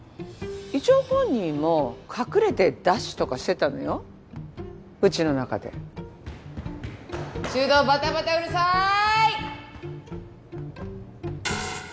一応本人も隠れてダッシュとかしてたのようちの中で柊人バタバタうるさい！